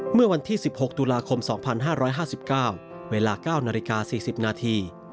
เมื่อวันที่๑๖ตุลาคม๒๕๕๙เวลา๙นาฬิกา๔๐นาที